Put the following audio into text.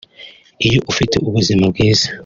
Iyo ufite ubuzima bwiza